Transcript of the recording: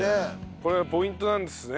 これがポイントなんですね。